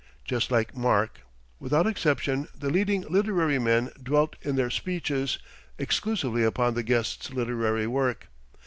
Just like Mark. Without exception, the leading literary men dwelt in their speeches exclusively upon the guest's literary work.